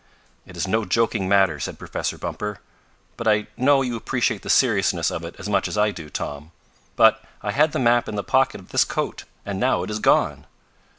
"It is no joking matter," said Professor Bumper. "But I know you appreciate the seriousness of it as much as I do, Tom. But I had the map in the pocket of this coat, and now it is gone!"